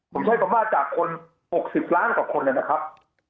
ผมใช้คำว่าจากคน๖๐ล้านกว่าคนนะครับ